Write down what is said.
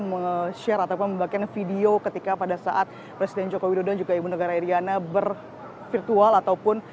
meng share ataupun membagikan video ketika pada saat presiden joko widodo dan juga ibu negara iryana bervirtual ataupun